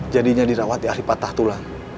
jadinya dirawati ahli patah tulang